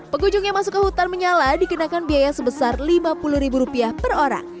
pengunjung yang masuk ke hutan menyala dikenakan biaya sebesar lima puluh ribu rupiah per orang